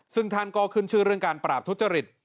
ซึ่งท่านก็ขึ้นชื่อเรื่องการปราบทุจริต